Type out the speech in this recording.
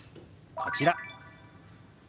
こちら。